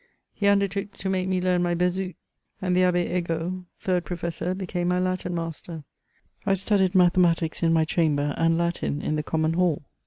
He under took to make me learn my *' Bezout,'* and the Abb^ £gault» third Professor, became my Latin master. I studied mathe matics in my chamber, and Latin in the common hall.